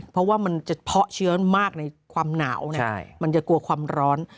เพราะว่ามันจะเพาะเชื้อมากในความหนาวมันจะกลัวความร้อน